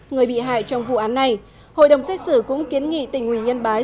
người bị hại trong vụ án này hội đồng xét xử cũng kiến nghị tỉnh ủy yên bái